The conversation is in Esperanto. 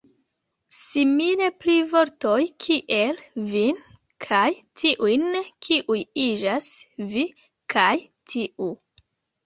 Simile pri vortoj kiel "vin" kaj "tiujn", kiuj iĝas "vi" kaj "tiu".